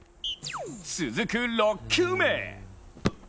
続く６球目。